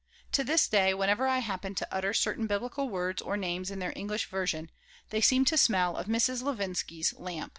To this day, whenever I happen to utter certain Biblical words or names in their English version, they seem to smell of Mrs. Levinsky's lamp.